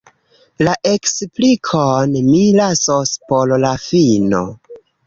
La eksplikon… mi lasos por la fino.